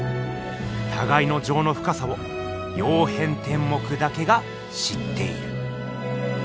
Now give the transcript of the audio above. たがいのじょうのふかさを「曜変天目」だけが知っている。